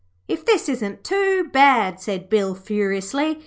'If this isn't too bad,' said Bill, furiously.